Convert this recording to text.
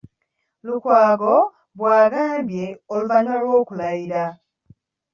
Lukwago bw’agambye oluvannyuma lw’okulayira.